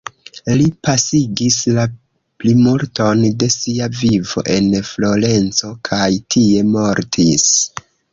Li pasigis la plimulton de sia vivo en Florenco, kaj tie mortis.